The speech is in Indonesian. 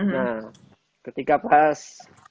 nah ketika pas